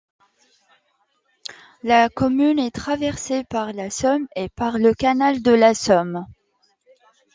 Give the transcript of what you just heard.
La commune est traversée par la Somme et par le canal de la Somme.